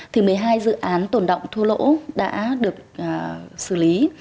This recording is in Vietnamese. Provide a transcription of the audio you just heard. thì một mươi hai dự án tồn động thua lỗ đã được xử lý